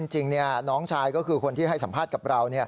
จริงน้องชายก็คือคนที่ให้สัมภาษณ์กับเรา